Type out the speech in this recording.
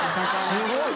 すごい。